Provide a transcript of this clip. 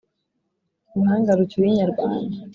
ruhanga rucyuye inyarwanda !